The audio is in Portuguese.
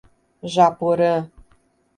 Japorã